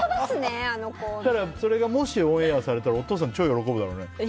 それがもしオンエアされたらお父さん超喜ぶだろうね。